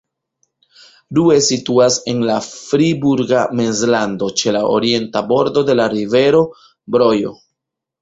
Rue situas en la Friburga Mezlando ĉe la orienta bordo de la rivero Brojo.